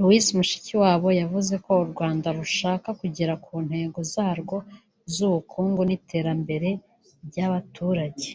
Louise Mushikiwabo yavuze ko u Rwanda rushaka kugera ku ntego zarwo z’ubukungu n’iterambere ry’abaturage